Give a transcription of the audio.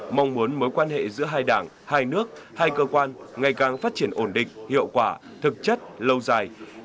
mong muốn mối quan hệ giữa hai đảng hai nước hai cơ quan ngày càng phát triển ổn định hiệu quả thực chất lâu dài